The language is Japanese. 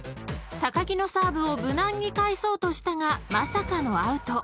［木のサーブを無難に返そうとしたがまさかのアウト］